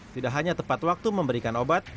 tidak hanya tepat waktu memberikan obat